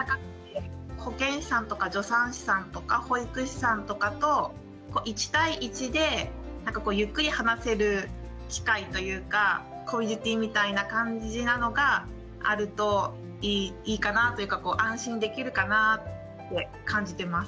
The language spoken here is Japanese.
保健師さんとか助産師さんとか保育士さんとかと１対１でゆっくり話せる機会というかコミュニティーみたいな感じなのがあるといいかなというか安心できるかなって感じてます。